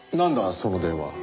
その電話。